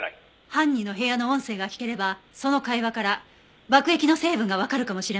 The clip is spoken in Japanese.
犯人の部屋の音声が聞ければその会話から爆液の成分がわかるかもしれません。